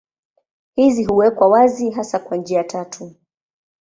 Hizi huwekwa wazi hasa kwa njia tatu.